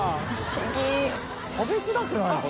食べづらくない？